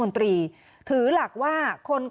คุณสิริกัญญาบอกว่า๖๔เสียง